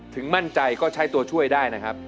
มั่นใจก็ใช้ตัวช่วยได้นะครับ